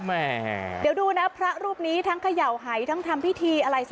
แมดีลดูนะพระรูปนี้ทั้งเขย่าหายทั้งทำพิธีอะไรศาลพัฒน์ละนะ